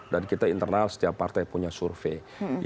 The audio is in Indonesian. dan kita internal setiap partai punya survei